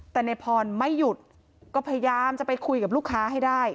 แต่ในพรไม่หยุดก็พยายามจะไปคุยกับลูกค้าให้ได้